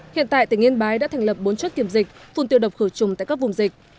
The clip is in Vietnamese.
hiện tại tỉnh yên bái đã thành lập bốn chốt kiểm dịch phun tiêu độc khử trùng tại các vùng dịch